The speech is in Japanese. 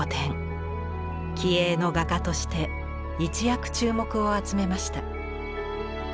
気鋭の画家として一躍注目を集めました。